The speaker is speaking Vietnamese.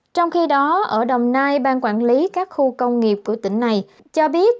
trong khi đó ở đồng nai bang quản lý các khu công nghiệp của tỉnh này cho biết